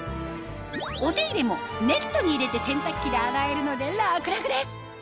お手入れもネットに入れて洗濯機で洗えるので楽々です！